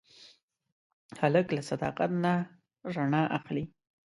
هلک له صداقت نه رڼا اخلي.